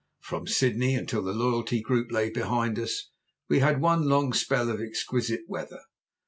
From Sydney, until the Loyalty Group lay behind us, we had one long spell of exquisite weather.